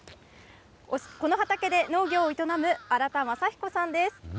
この畑で農業を営む荒田正彦さんです。